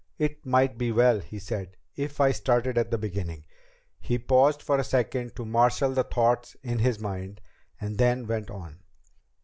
"It might be well," he said, "if I started at the beginning." He paused for a second to marshal the thoughts in his mind, and then went on.